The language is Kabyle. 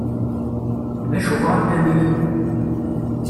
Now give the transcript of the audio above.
D acu bɣant ad neg?